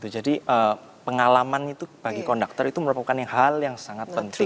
jadi pengalaman itu bagi konduktor itu merupakan hal yang sangat penting